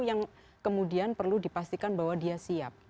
yang kemudian perlu dipastikan bahwa dia siap